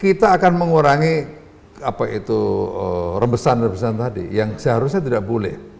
kita akan mengurangi apa itu rebesan rebesan tadi yang seharusnya tidak boleh